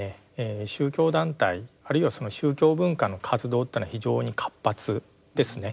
宗教団体あるいはその宗教文化の活動というのは非常に活発ですね。